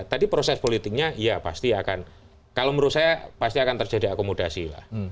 tadi proses politiknya ya pasti akan kalau menurut saya pasti akan terjadi akomodasi lah